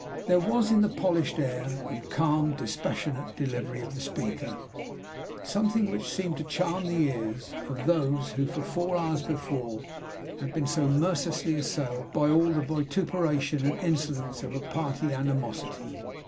There was in the polished air, and calm, dispassionate delivery of the speaker, something which seemed to charm the ears of those who for four hours before had been so mercilessly assailed by all the vituperation and insolence of party animosity.